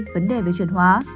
hai vấn đề về truyền hóa